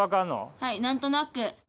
はいなんとなく。